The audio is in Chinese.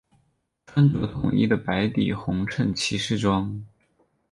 穿着统一的白底红衬骑士装。